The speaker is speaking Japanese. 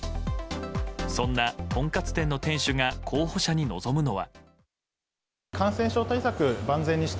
そんなトンカツ店の店主が候補者に望むのは。